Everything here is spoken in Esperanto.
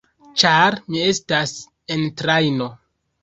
Ĉar mi estas en trajno.